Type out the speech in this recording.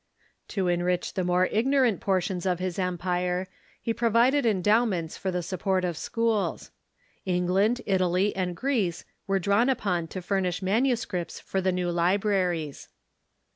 To enrich the more ignorant portions of his empire, he provided endowments for the support of schools. England, Italy, and Greece were drawn upon to furnish manuscripts for the new libraries.